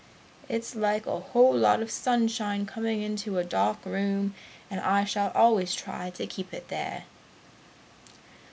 "It's like a whole lot of sunshine coming into a dark room, and I shall always try to keep it there!"